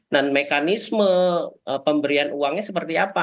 dan mekanisme pemberian uangnya seperti apa